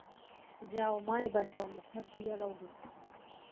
যাও মা, এবার যাও, মুখ-হাত ধুইয়া লও গে।